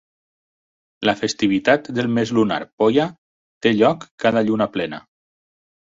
La festivitat del mes lunar "poya" té lloc cada lluna plena.